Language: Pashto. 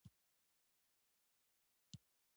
، وېښته يې شکول، کيسه مالومه شوه